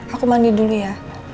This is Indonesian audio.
aku mandi dulu ya